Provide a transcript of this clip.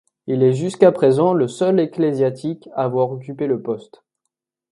Il est jusqu'à présent le seul ecclésiastique à avoir occupé le poste.